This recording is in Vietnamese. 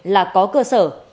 là có cơ sở